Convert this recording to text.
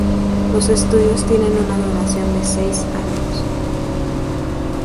Los estudios tienen una duración de seis años.